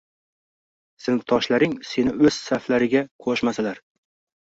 sinfdoshlaring seni o‘z saflariga qo‘shmasalar